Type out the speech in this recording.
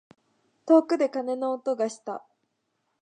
遠くで鐘の音がした。